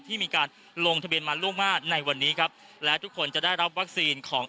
ที่มีการลงทะเบียนมาล่วงหน้าในวันนี้ครับและทุกคนจะได้รับวัคซีนของ